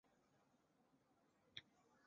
祝维沙被社会认可为成功的民营企业家。